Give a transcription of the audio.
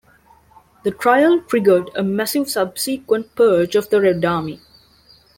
The trial triggered a massive subsequent purge of the Red Army.